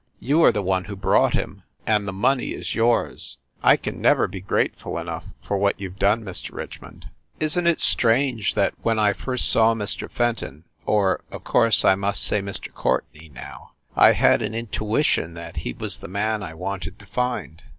You are the one who brought him, and the money is yours. I can never be grateful enough for what you ve done, Mr. Richmond. Isn t it strange 320 FIND THE WOMAN that when I first saw Mr. Fenton or, of course, I must say Mr. Courtenay now I had an intuition that he was the man I wanted to find